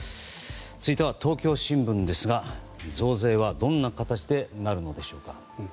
東京新聞ですが、増税はどんな形でなるのでしょうか。